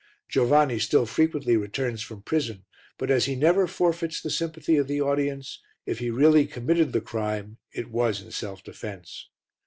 Giovanni still frequently returns from prison, but as he never forfeits the sympathy of the audience, if he really committed the crime it was in self defence.